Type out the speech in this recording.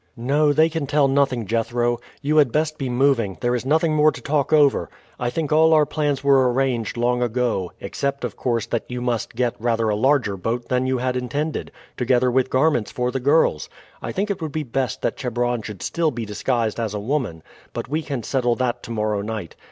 "No, they can tell nothing, Jethro. You had best be moving; there is nothing more to talk over. I think all our plans were arranged long ago; except, of course, that you must get rather a larger boat than you had intended, together with garments for the girls. I think it would be best that Chebron should still be disguised as a woman; but we can settle that to morrow night.